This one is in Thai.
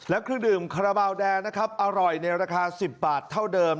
และเครื่องดื่มคาราบาลแดงนะครับอร่อยในราคา๑๐บาทเท่าเดิม